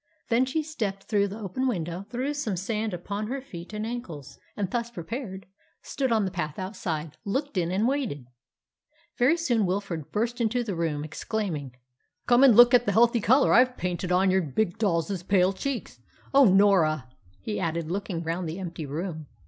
Then she stepped through the open window, threw some sand upon her feet and ankles, and thus prepared, stood on the path outside, looked in, and waited. Very soon Wilfrid burst into the room, exclaiming "Come and look at the healthy colour I've painted on your big doll's pale cheeks. Oh, Norah!" he added, looking round the empty room.